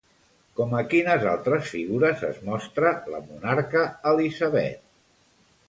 Com a quines altres figures es mostra la monarca Elisabet?